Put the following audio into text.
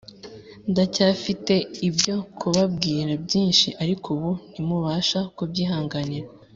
Ndacyafite ibyo kubabwira byinshi, ariko ubu ntimubasha kubyihanganira.